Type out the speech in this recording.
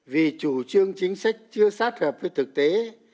vì chủ trương chính sách chưa sát hợp với thực tế